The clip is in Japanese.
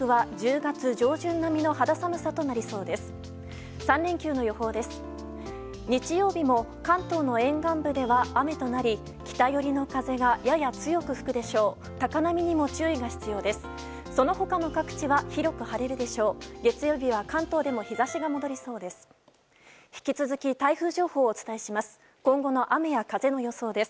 月曜日は関東でも日差しが戻りそうです。